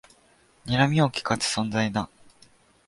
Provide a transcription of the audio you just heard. にらみをきかす存在だ